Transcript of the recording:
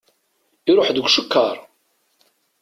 Iṛuḥ deg ucekkaṛ!